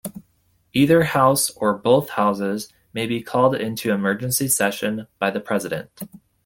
Either house or both houses may be called into emergency session by the president.